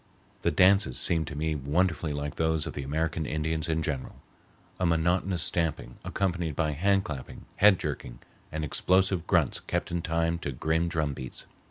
The dances seemed to me wonderfully like those of the American Indians in general, a monotonous stamping accompanied by hand clapping, head jerking, and explosive grunts kept in time to grim drum beats.